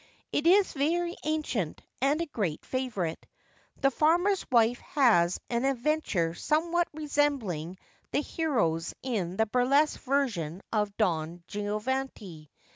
It is very ancient, and a great favourite. The farmer's wife has an adventure somewhat resembling the hero's in the burlesque version of Don Giovanni.